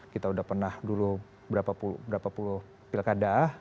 kita udah pernah dulu berapa puluh pilkada